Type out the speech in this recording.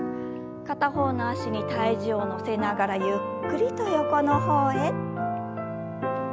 片方の脚に体重を乗せながらゆっくりと横の方へ。